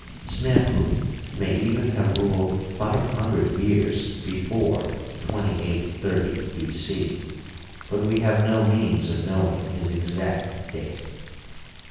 Snefru may even have ruled five hundred years before 2830 B. c, but we have no means of knowing his exact date.